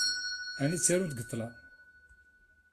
Ɛni ttarunt deg ṭṭlam?